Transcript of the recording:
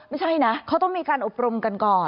ไม่ใช่นะเขาต้องมีการอบรมกันก่อน